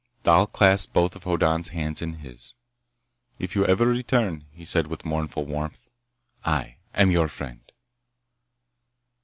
Thal clasped both of Hoddan's hands in his. "If you ever return," he said with mournful warmth, "I am your friend!"